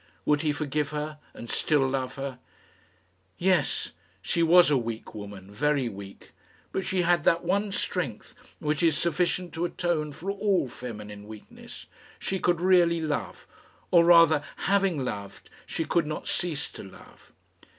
Would he forgive her and still love her? Yes; she was a weak woman very weak; but she had that one strength which is sufficient to atone for all feminine weakness she could really love; or rather, having loved, she could not cease to love.